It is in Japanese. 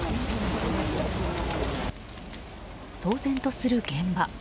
騒然とする現場。